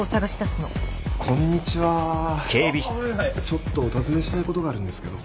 ちょっとお尋ねしたいことがあるんですけど。